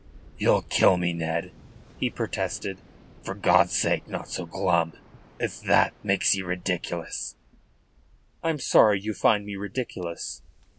"Ye'll kill me, Ned!" he protested. "For God's sake, not so glum. It's that makes ye ridiculous." "I am sorry you find me ridiculous."